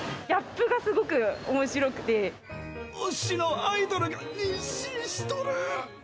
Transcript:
推しのアイドルが妊娠しとる。